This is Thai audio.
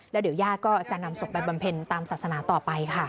แล้วเดี๋ยวญาติก็จะนำศพไปบำเพ็ญตามศาสนาต่อไปค่ะ